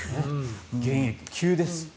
現役、急です。